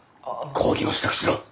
講義の支度しろ。